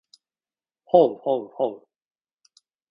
ほうほうほう